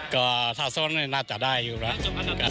ก็ถ้าซ้อนน่าจะได้อยู่แล้ว